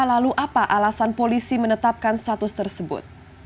lalu apa alasan polisi menetapkan status tersebut